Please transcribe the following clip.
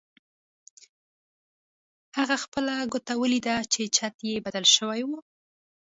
هغه خپله کوټه ولیده چې چت یې بدل شوی و